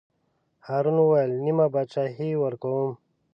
هارون وویل: نیمه بادشاهي ورکووم.